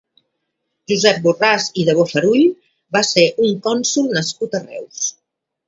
Josep Borràs i de Bofarull va ser un cònsol nascut a Reus.